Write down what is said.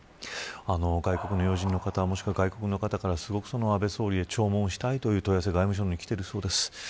外国の要人の方もしくは外国の方からすごく安倍総理を弔問したいという問い合わせが外務省にきているそうです。